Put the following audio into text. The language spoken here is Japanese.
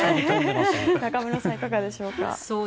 中室さんいかがでしょうか。